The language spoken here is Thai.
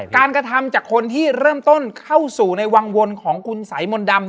กระทำจากคนที่เริ่มต้นเข้าสู่ในวังวนของคุณสายมนต์ดำ